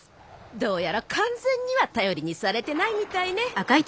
どうやら完全には頼りにされてないみたいね。